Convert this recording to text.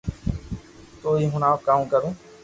تو ئي ھڻاو ڪاو ڪرو